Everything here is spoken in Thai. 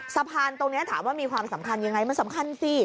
สะพานตรงนี้ถามว่ามีความสำคัญยังไงมันสำคัญสิ